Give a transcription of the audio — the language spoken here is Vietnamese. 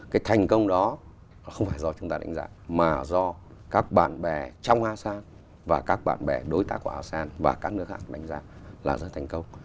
cái thành công đó không phải do chúng ta đánh giá mà do các bạn bè trong asean và các bạn bè đối tác của asean và các nước khác đánh giá là rất thành công